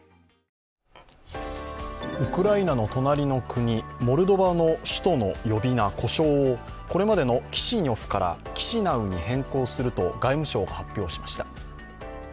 ウクライナの隣の国モルドバの首都の呼び名、呼称をこれまでの、キシニョフからキシナウに変更すると外務省が発表しました。